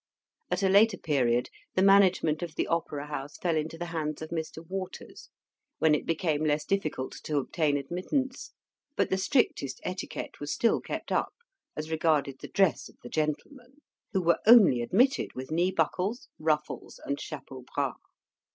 At a later period, the management of the Opera House fell into the hands of Mr. Waters, when it became less difficult to obtain admittance; but the strictest etiquette was still kept up as regarded the dress of the gentlemen, who were only admitted with knee buckles, ruffles, and chapeau bras.